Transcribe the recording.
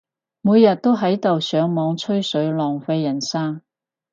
每日都喺度上網吹水，浪費人生